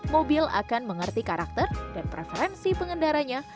mobil akan mengerti karakter dan preferensi pengendaranya